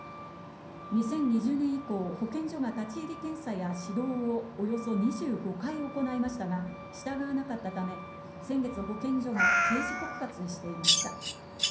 ２０２０年以降、保健所が立ち入り検査や指導をおよそ２５回行いましたが、従わなかったため、先月、保健所が刑事告発していました。